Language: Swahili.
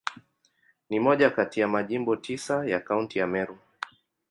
Ni moja kati ya Majimbo tisa ya Kaunti ya Meru.